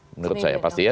menurut saya pasti ya